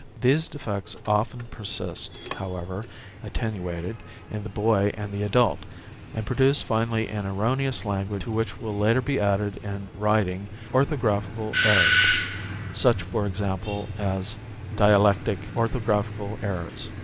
These defects often persist, however attenuated, in the boy and the adult: and produce finally an erroneous language to which will later be added in writing orthographical errors, such for example as dialectic orthographical errors.